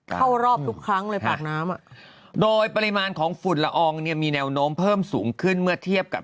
เข้ารอบทุกครั้งเลยปากน้ำ